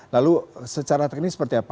lalu secara teknis seperti apa